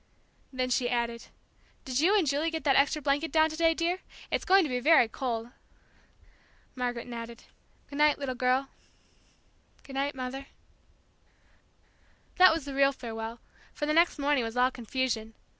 '" Then she added, "Did you and Julie get that extra blanket down to day, dear? it's going to be very cold." Margaret nodded. "Good night, little girl " "Goodnight, Mother " That was the real farewell, for the next morning was all confusion.